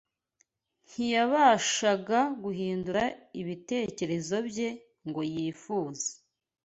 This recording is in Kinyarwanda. Ntiyabashaga guhindura ibitekerezo bye ngo yifuze